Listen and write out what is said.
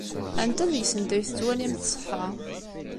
Anta deg-sent ay tettwalim tṣeḥḥa?